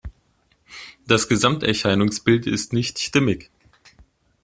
Das Gesamterscheinungsbild ist nicht stimmig.